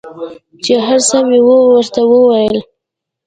چې هر څه مې ورته وويل.